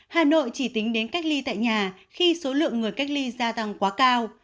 hà nội chỉ tính đến cách ly tại nhà khi số lượng người cách ly gia tăng quá cao